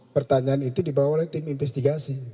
pertanyaan itu dibawa oleh tim investigasi